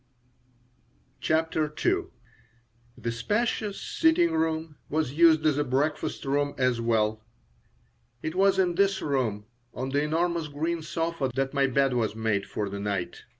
CHAPTER II THE spacious sitting room was used as a breakfast room as well. It was in this room, on the enormous green sofa, that my bed was made for the night.